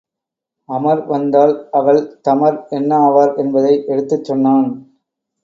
அமர் வந்தால் அவள் தமர் என்ன ஆவார் என்பதை எடுத்துச் சொன்னான்.